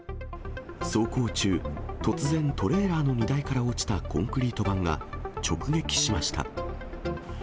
走行中、突然、トレーラーの荷台から落ちたコンクリート板が直撃しました。